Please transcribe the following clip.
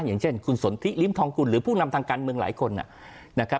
อย่างเช่นคุณสนทิริมทองกุลหรือผู้นำทางการเมืองหลายคนนะครับ